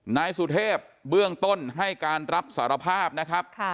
นายสุเทพเบื้องต้นให้การรับสารภาพนะครับ